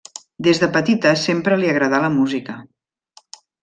Des de petita sempre li agradà la música.